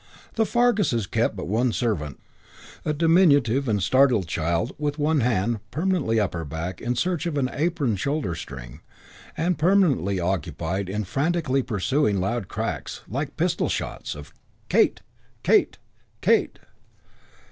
The Farguses kept but one servant, a diminutive and startled child with one hand permanently up her back in search of an apron shoulder string, and permanently occupied in frantically pursuing loud cracks, like pistol shots, of "Kate! Kate! Kate!"